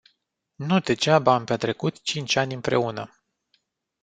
Nu degeaba am petrecut cinci ani împreună.